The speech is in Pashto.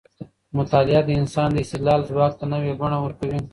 مطالعه د انسان د استدلال ځواک ته نوې بڼه ورکوي.